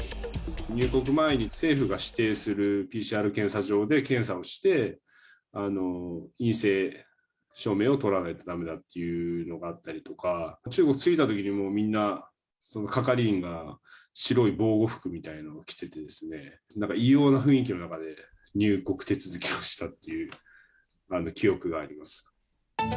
入国前に政府が指定するＰＣＲ検査場で検査をして、陰性証明を取らないとだめだっていうのがあったりとか、中国着いたときにもう、みんな、その係員が白い防護服みたいなのを着ててですね、なんか異様な雰囲気の中で入国手続きをしたっていう記憶があります。